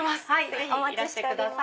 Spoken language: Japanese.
ぜひいらしてください。